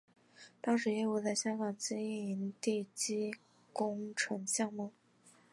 当时业务在香港经营地基工程项目。